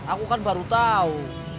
aku kan baru tau